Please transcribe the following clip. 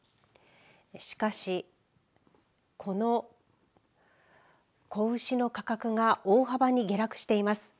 しかし、この子牛の価格が大幅に下落しています。